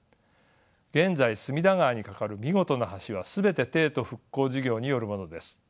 現在隅田川に架かる見事な橋は全て帝都復興事業によるものです。